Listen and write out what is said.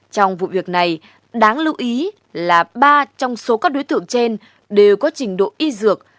trong vụ việc này đáng lưu ý là ba trong số các đối tượng trên đều có trình độ y dược